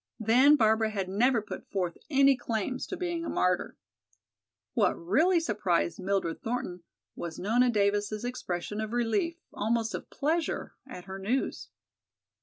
Then Barbara had never put forth any claims to being a martyr. What really surprised Mildred Thornton was Nona Davis' expression of relief, almost of pleasure, at her news.